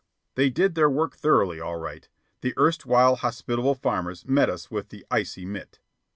They did their work thoroughly, all right. The erstwhile hospitable farmers met us with the icy mit.